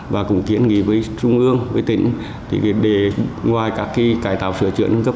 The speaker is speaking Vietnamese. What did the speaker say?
và cũng kiến nghị với trung ương với tỉnh để ngoài các cải tạo sửa chữa nâng cấp